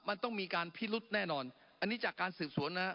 มันต้องมีการพิรุธแน่นอนอันนี้จากการสืบสวนนะฮะ